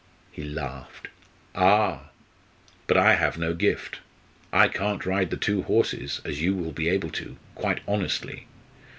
He laughed. "Ah! but I have no gift I can't ride the two horses, as you will be able to quite honestly.